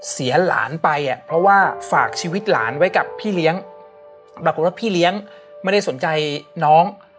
เสียหลานไปอ่ะเพราะว่าฝากชีวิตหลานไว้กับพี่เลี้ยงปรากฏว่าพี่เลี้ยงไม่ได้สนใจน้อง